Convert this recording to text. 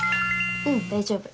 うん大丈夫。